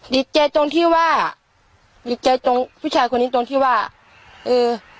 ดีใจตรงที่ว่าดีใจตรงผู้ชายคนนี้ตรงที่ว่าเออ